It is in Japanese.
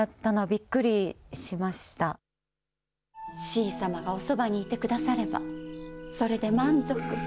しい様がおそばにいてくだされば、それで満足。